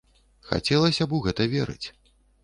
Хацелася б у гэта верыць.